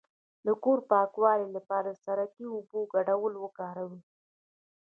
د کور د پاکوالي لپاره د سرکې او اوبو ګډول وکاروئ